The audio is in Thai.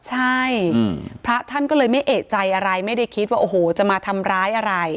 ใช่พระท่านก็เลยไม่เอกใจอะไรไม่ได้คิดว่าโอ้โหจะมาทำร้ายอะไร